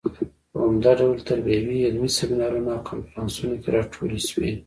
په عمده ډول تربیوي علمي سیمینارونو او کنفرانسونو کې راټولې شوې.